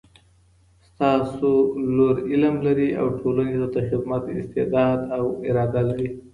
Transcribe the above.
ستاسو لور علم لري او ټولني ته د خدمت استعداد او اراده لري